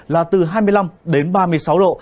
là từ hai mươi năm đến ba mươi sáu độ